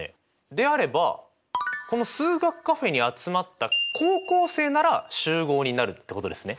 であればこの数学カフェに集まった高校生なら集合になるってことですね。